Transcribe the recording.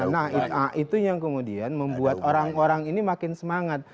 nah itu yang kemudian membuat orang orang ini makin semangat